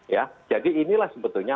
ya jadi inilah sebetulnya